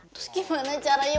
terus gimana caranya